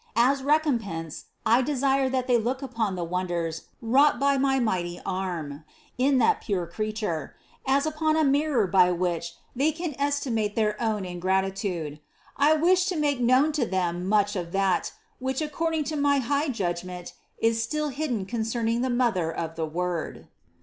As recompense I desire that they look upon the wonders wrought by my mighty arm in that pure Creature, as upon a mirror by which they can estimate their own ingratitude. I wish to make known to them much of that, which according to my high judgment is still hidden concerning the Mother of the Word."